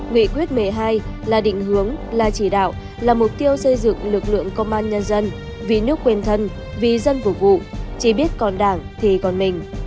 nghị quyết một mươi hai là định hướng là chỉ đạo là mục tiêu xây dựng lực lượng công an nhân dân vì nước quên thân vì dân phục vụ chỉ biết còn đảng thì còn mình